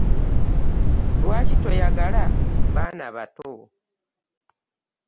Lwaki toyagala baana bato?